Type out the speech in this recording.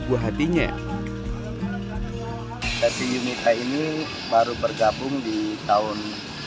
buah hatinya tapi ini kayaknya baru bergabung di tahun